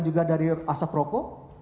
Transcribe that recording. juga dari asap rokok